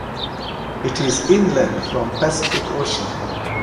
It is inland from the Pacific Ocean.